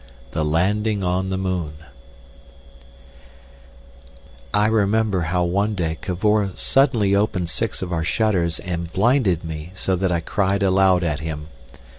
The Landing on the Moon I remember how one day Cavor suddenly opened six of our shutters and blinded me so that I cried aloud at him.